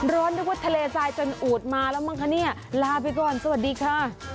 ร้อนถ้าคุณว่าทะเลทรายจนอาจอุดมาแล้วมั้งคะลาไปก่อนสวัสดีค่ะ